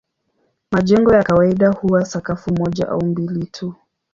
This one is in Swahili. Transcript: Majengo ya kawaida huwa sakafu moja au mbili tu.